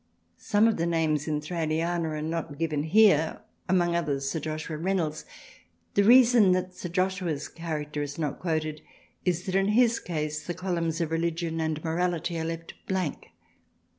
Some of the names in Thraliana are not given here, among others Sir Joshua Reynolds. The reason that Sir Joshua's character is not quoted is that in his case the columns of Religion and Morality are left blank.